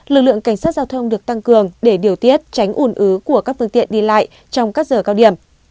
lực lượng cảnh sát giao thông được tăng cường để điều tiết tránh ủn ứ của các phương tiện đi lại trong các giờ cao điểm